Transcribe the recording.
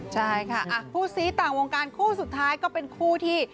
ใช่ค่ะคู่ซี้ต่างวงการคู่สุดท้ายก็เป็นคู่ที่